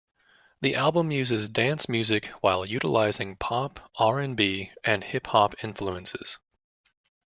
The album uses dance music while utilizing pop, R and B, and hip-hop influences.